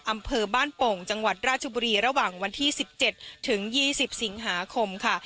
อำเภอบ้านโป่งจังหวัดราชบุรีระหว่างวันที่๑๗ถึง๒๐สิงหาคมค่ะ